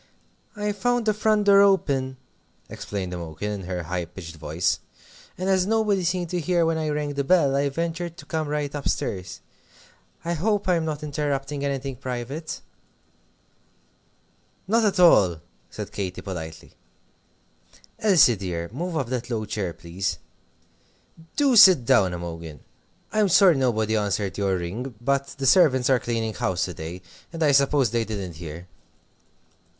"I found the front door open," explained Imogen, in her high pitched voice, "and as nobody seemed to hear when I rang the bell, I ventured to come right up stairs. I hope I'm not interrupting anything private?" "Not at all," said Katy, politely. "Elsie, dear, move up that low chair, please. Do sit down, Imogen! I'm sorry nobody answered your ring, but the servants are cleaning house to day, and I suppose they didn't hear."